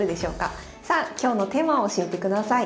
さあ今日のテーマを教えてください。